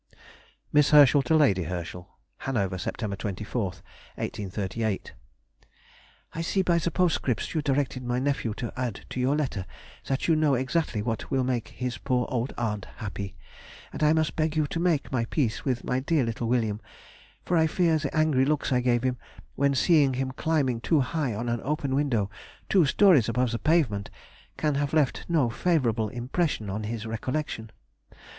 [Sidenote: 1838. Letter to Lady Herschel.] MISS HERSCHEL TO LADY HERSCHEL. HANOVER, Sept. 24, 1838. I see by the postscripts you directed my nephew to add to your letter that you know exactly what will make his poor old aunt happy; and I must beg you to make my peace with my dear little William, for I fear the angry looks I gave him when seeing him climbing too high on an open window two stories above the pavement, can have left no favourable impression on his recollection.